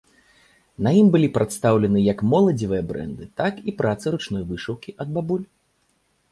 На ім былі прадстаўлены як моладзевыя брэнды, так і працы ручной вышыўкі ад бабуль.